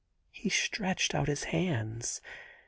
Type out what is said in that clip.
he stretched out his hands